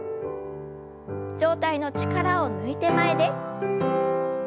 上体の力を抜いて前です。